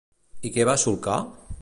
I què va solcar?